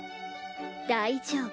大丈夫。